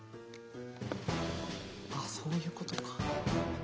あっそういうことか。